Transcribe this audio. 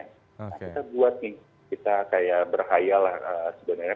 nah kita buat nih kita kayak berkhayal sebenarnya